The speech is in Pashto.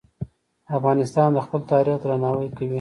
افغانستان د خپل تاریخ درناوی کوي.